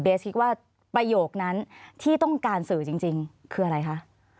คิดว่าประโยคนั้นที่ต้องการสื่อจริงคืออะไรคะ